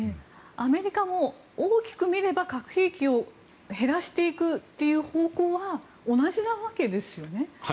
アメリカも大きく見れば核兵器を減らしていく方向は同じなわけですよね。